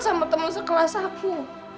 sama temen sekelas aku